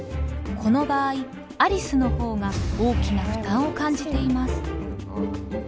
この場合アリスの方が大きな負担を感じています。